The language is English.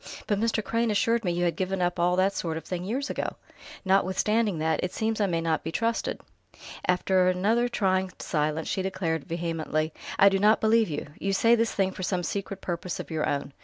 "But Mr. Crane assured me you had given up all that sort of thing years ago!" "Notwithstanding that, it seems I may not be trusted...." After another trying silence she declared vehemently: "I do not believe you! You say this thing for some secret purpose of your own.